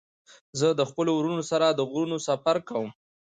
زه د خپلو ورونو سره د غرونو سفر کوم.